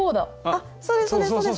あっそうですそうです。